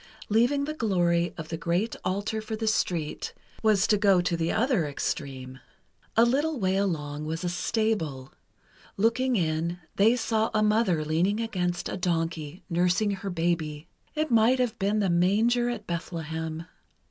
Leaving the glory of the great altar for the street, was to go to the other extreme. A little way along, was a stable. Looking in, they saw a mother leaning against a donkey, nursing her baby. It might have been the Manger at Bethlehem.